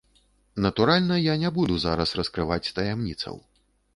Натуральна, я не буду зараз раскрываць таямніцаў.